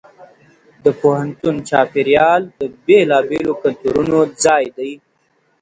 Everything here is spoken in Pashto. د پوهنتون چاپېریال د بېلابېلو کلتورونو ځای دی.